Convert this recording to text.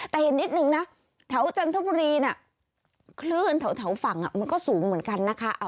แต่เห็นนิดนึงนะแถวจันทบุรีน่ะคลื่นแถวฝั่งมันก็สูงเหมือนกันนะคะ